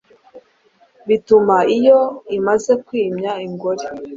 bituma iyo imaze kwimya ingore,